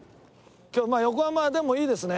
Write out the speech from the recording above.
今日横浜でもいいですね。